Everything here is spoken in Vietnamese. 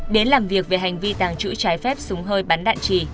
đến làm việc về hành vi tàng trữ trái phép súng hơi bắn đạn trì